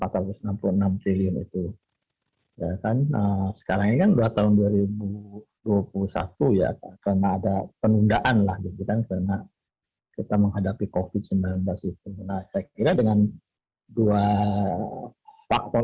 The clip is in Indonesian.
triliun itu sekarang dua ribu dua puluh satu ya karena ada penundaan lah kita menghadapi covid sembilan belas dengan dua faktor